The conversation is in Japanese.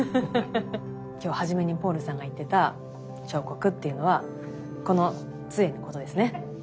今日初めにポールさんが言ってた彫刻っていうのはこの杖のことですね。